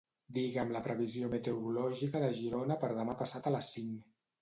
Digue'm la previsió meteorològica de Girona per demà passat a les cinc.